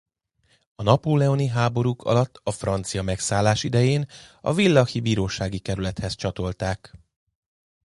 A napóleoni háborúk alatt a francia megszállás idején a villachi bírósági kerülethez csatolták.